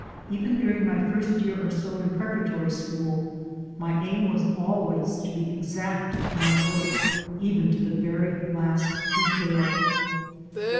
Even during my first year or so in preparatory school my aim was always to be exact in my work even to the very last detail.